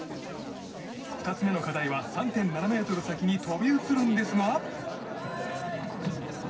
２つ目の課題は３．７ｍ先に飛び移るんですが。